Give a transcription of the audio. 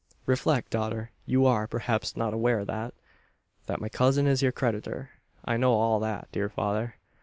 "Reflect, daughter! You are, perhaps, not aware that " "That my cousin is your creditor. I know all that, dear father.